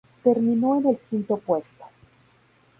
Terminó en el quinto puesto.